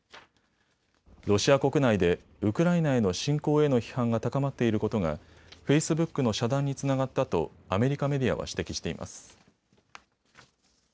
ロシア国内でウクライナへの侵攻への批判が高まっていることがフェイスブックの遮断につながったとアメリカメディアは指摘しています。